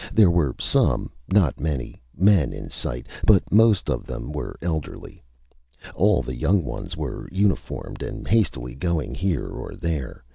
There were some not many men in sight, but most of them were elderly. All the young ones were uniformed and hastily going here or there.